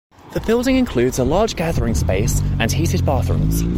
The building includes a large gathering space and heated bathrooms.